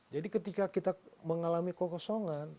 jadi ketika kita mengalami kokosongan